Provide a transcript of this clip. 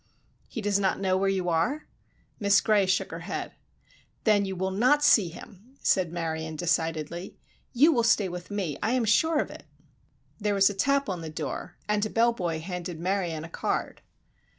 "He does not know where you are?" Miss Gray shook her head. "Then you will not see him," said Marion, decidedly. "You will stay with me, I am sure of it!" There was a tap on the door, and a bellboy handed Marion a card.